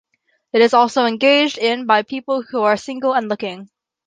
It is also engaged in by people who are "single and looking".